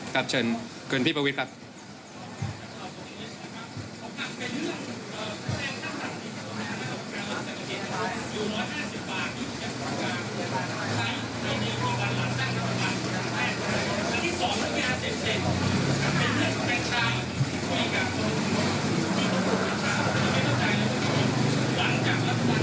ครับเชิญคุณพี่ประวิทย์ครับ